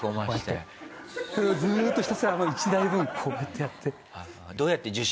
それをずーっとひたすら１台分こうやってやって。